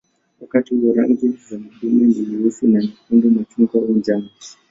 Wakati huo rangi za madume ni nyeusi na nyekundu, machungwa au njano.